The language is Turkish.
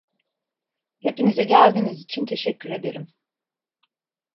Hepinize geldiğiniz için teşekkür ederim.